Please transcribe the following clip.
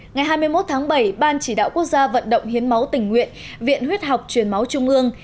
ngày hai mươi một tháng bảy ban chỉ đạo quốc gia vận động hiến máu tình nguyện viện huyết học truyền máu trung ương